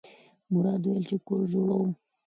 مراد وویل چې کور جوړوم.